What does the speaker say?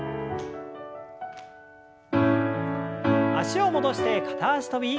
脚を戻して片脚跳び。